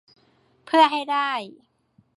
เพื่อให้ได้